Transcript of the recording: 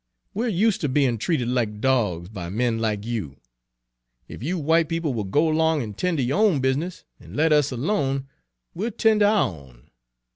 "We're use' ter bein' treated like dogs by men like you. If you w'ite people will go 'long an' ten' ter yo' own business an' let us alone, we'll ten' ter ou'n.